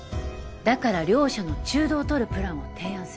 だから両者の中道をとるプランを提案すればいい